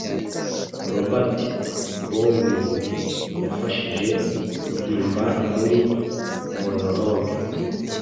Robert Browning yafahije guhimbaMuri monologue